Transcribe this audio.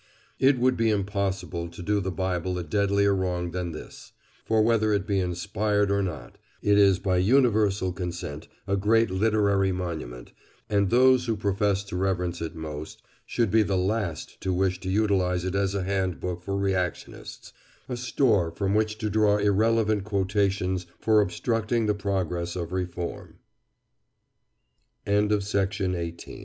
It would be impossible to do the Bible a deadlier wrong than this; for whether it be "inspired" or not, it is by universal consent a great literary monument, and those who profess to reverence it most should be the last to wish to utilise it as a handbook for reactionists—a store from which to draw irrelevant q